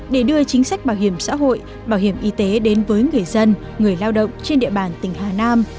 để đưa chính sách bảo hiểm xã hội bảo hiểm y tế đến với người dân người lao động trên địa bàn tỉnh hà nam